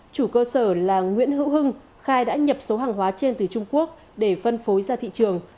chủ cơ sở là nguyễn hữu hưng khai đã nhập số hàng hóa trên từ trung quốc để phân phối ra thị trường